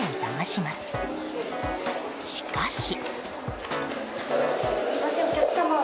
しかし。